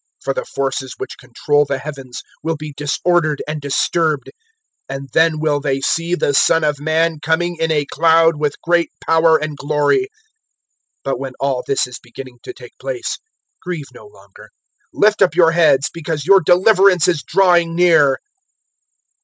For the forces which control the heavens will be disordered and disturbed. 021:027 And then will they see the Son of Man coming in a cloud with great power and glory. 021:028 But when all this is beginning to take place, grieve no longer. Lift up your heads, because your deliverance is drawing near."